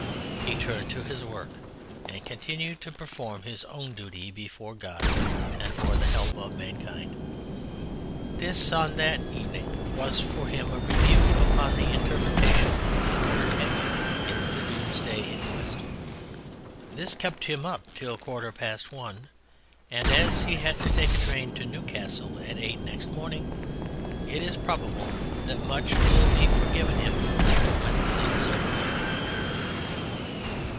He turned to his work and continued to perform his own duty before God and for the help of mankind. This, on that evening, was for him a review upon the interpretation of the word haga in the Domesday Inquest. This kept him up till a quarter past one, and as he had to take a train to Newcastle at eight next morning it is probable that much will be forgiven him when things are cleared.